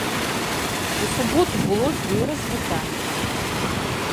У суботу было з ёй развітанне.